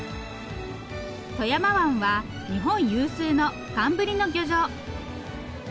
富山湾は日本有数の寒ブリの漁場。